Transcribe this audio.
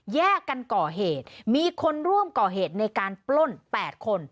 แยกกันก่อเหตุมีคนร่วมก่อเหตุในการปล้น๘คน